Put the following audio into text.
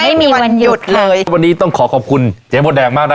ไม่มีวันหยุดเลยวันนี้ต้องขอขอบคุณเจ๊มดแดงมากนะ